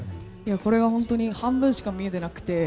これは本当に半分しか見えてなくて。